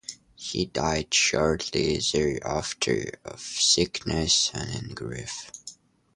He died shortly thereafter of sickness and in grief.